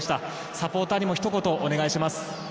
サポーターにもひと言お願いします。